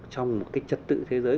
trong một chất tự thế giới